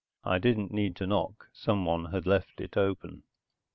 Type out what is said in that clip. I didn't need to knock, someone had left it open.